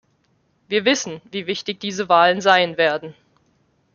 Wir wissen, wie wichtig diese Wahlen sein werden.